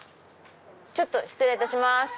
ちょっと失礼いたします。